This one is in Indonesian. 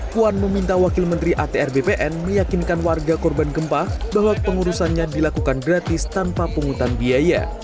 puan meminta wakil menteri atr bpn meyakinkan warga korban gempa bahwa pengurusannya dilakukan gratis tanpa pungutan biaya